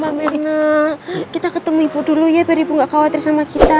mbak merlina kita ketemu ibu dulu ya biar ibu nggak khawatir sama kita